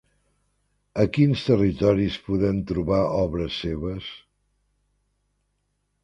A quins territoris podem trobar obres seves?